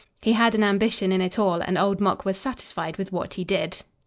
He had an ambition in it all and old Mok was satisfied with what he did.